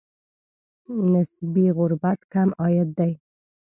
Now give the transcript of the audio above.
نسبي غربت کم عاید دی.